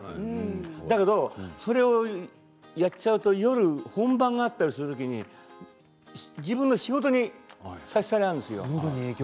だけどそれをやっちゃうと夜本番があったりするときに自分の仕事に差し障りがあるんですよ。